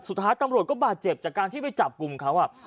สุดท้ายตำรวจก็บาดเจ็บจากการที่ไปจับกลุ่มเขา